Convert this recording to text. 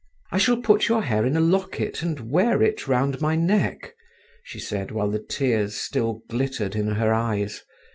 "I shall put your hair in a locket and wear it round my neck," she said, while the tears still glittered in her eyes.